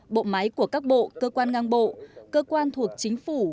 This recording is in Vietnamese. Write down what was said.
bộ máy của các bộ cơ quan ngang bộ cơ quan thuộc chính phủ